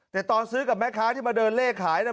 แต่ตอนซื้อกับแม่ค้าที่มาเดินเลขขายนะ